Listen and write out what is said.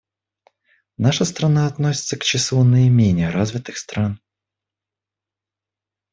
Наша страна относится к числу наименее развитых стран.